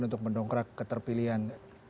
untuk mendongkrak keterpilihan